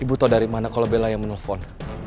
ibu tau dari mana kalo bella yang menelfon